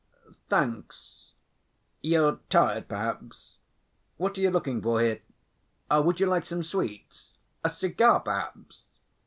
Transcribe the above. "Thanks. You're tired perhaps? What are you looking for here? Would you like some sweets? A cigar, perhaps?"